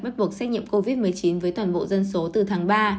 bắt buộc xét nghiệm covid một mươi chín với toàn bộ dân số từ tháng ba